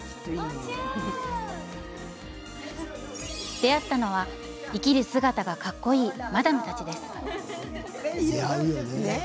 出会ったのは生きる姿がかっこいいマダムたちです。